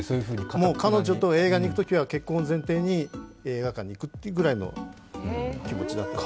もう彼女と映画に行くときは結婚を前提に映画館に行くぐらいの気持ちだった。